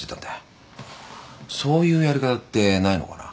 そういうやり方ってないのかな？